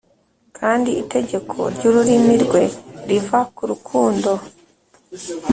kandi itegeko ry’ururimi rwe riva ku rukundo